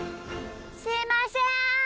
すいません！